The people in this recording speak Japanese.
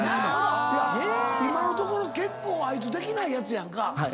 いや今のところ結構あいつできないやつやんか。